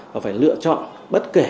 và phải lựa chọn bất kể